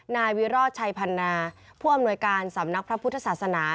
นายวิโรธชัยพันนาผู้อำนวยการสำนักพระพุทธศาสนา